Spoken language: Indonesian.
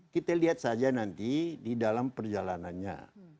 kita lihat saja nanti di dalam perjalanannya